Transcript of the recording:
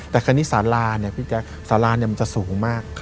แต่คราวนี้สาราเนี่ยพี่แจ๊คสารามันจะสูงมาก